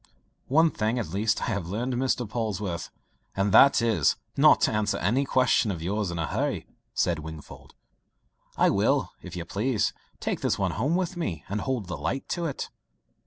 "One thing at least I have learned, Mr. Polwarth and that is, not to answer any question of yours in a hurry," said Wingfold. "I will, if you please, take this one home with me, and hold the light to it."